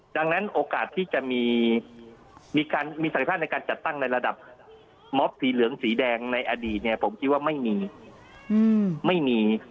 ดังนั้นโอกาสที่จะมีศักดิ์ภาพในการจัดตั้งในระดับมอบสีเหลืองสีแดงในอดีตผมคิดว่าไม่มี